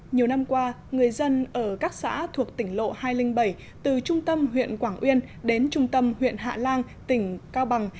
nhiều năm qua người dân ở các xã thuộc tỉnh lộ hai trăm linh bảy từ trung tâm huyện quảng uyên đến trung tâm huyện hạ lan tỉnh cao bằng